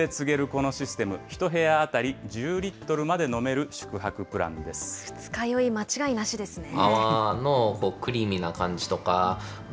このシステム、１部屋当たり１０リットル二日酔い、間違いなしですね。